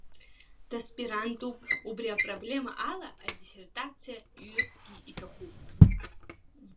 Даспирантуп, убри апроблема ала адиссертациа иҩырцгьы иҭахуп.